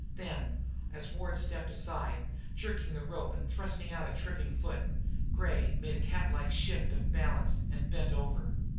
Then, as Ward stepped, aside, jerking the rope and thrusting out a tripping foot, Gray made a catlike shift of balance and bent over.